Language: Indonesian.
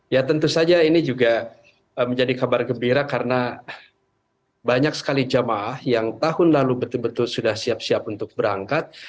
ya tentu saja ini juga menjadi kabar gembira karena banyak sekali jemaah yang tahun lalu betul betul sudah siap siap untuk berangkat